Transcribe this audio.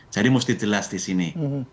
jadi mesti jelas di sini